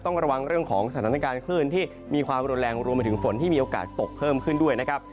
ต้องระวังเรื่องของสถานการณ์คลื่นที่มีความรุนแรงรวมไปถึงฝนที่มีโอกาสตกเพิ่มขึ้นด้วยนะครับ